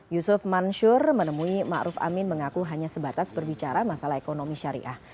yusuf mansur menemui ⁇ maruf ⁇ amin mengaku hanya sebatas berbicara masalah ekonomi syariah